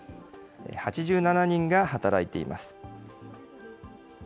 ８７人が働いています。